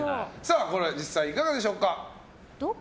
実際いかがでしょうか。